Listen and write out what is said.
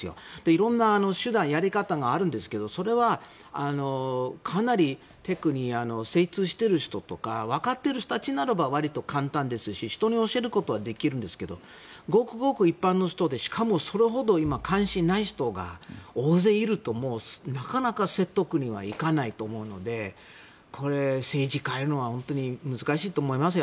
いろんな手段やり方があるんですけどそれはかなり精通している人たちとか分かっている人たちならば割と簡単ですし人に教えることはできるんですけどごくごく一般の人でそれほど関心のない人が大勢いるとなかなか説得はいかないと思うので政治変えるのは難しいと思います。